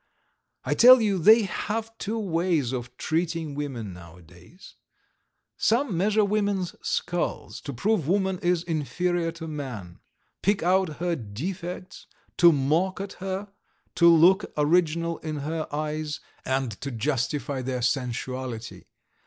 I tell you they have two ways of treating women nowadays. Some measure women's skulls to prove woman is inferior to man, pick out her defects to mock at her, to look original in her eyes, and to justify their sensuality.